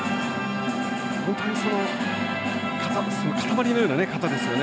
本当にその塊のような方ですよね。